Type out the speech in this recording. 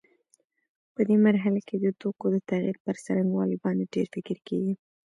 په دې مرحله کې د توکو د تغییر پر څرنګوالي باندې ډېر فکر کېږي.